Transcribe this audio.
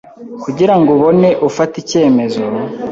kugira ngo ubone ufate icyemezo.